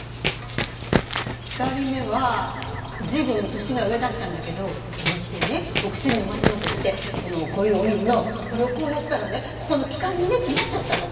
２人目は随分年が上だったんだけどお家でねお薬を飲ませようとしてこのこういうお水のこれをこうやったらねここの気管にね詰まっちゃったの。